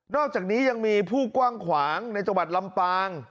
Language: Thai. อกจากนี้ยังมีผู้กว้างขวางในจังหวัดลำปาง